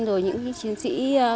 rồi những chiến sĩ